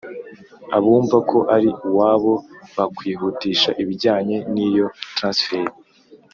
abumva ko ari uwabo bakwihutisha ibijyanye niyo transfert